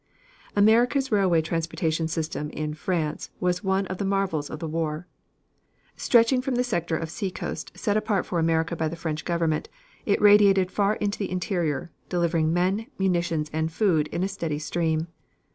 America's railway transportation system in France was one of the marvels of the war. Stretching from the sector of seacoast set apart for America by the French Government, it radiated far into the interior, delivering men, munitions and food in a steady stream.